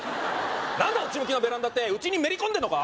何だ内向きのベランダってうちにめり込んでんのか？